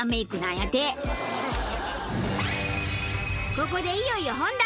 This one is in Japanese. ここでいよいよ本題。